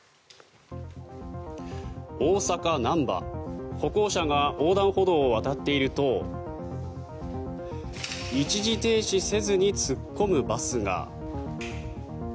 大阪・なんば歩行者が横断歩道を渡っていると一時停止せずに突っ込むバスが。